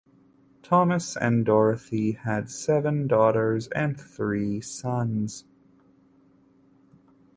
Thomas and Dorothy had seven daughters and three sons.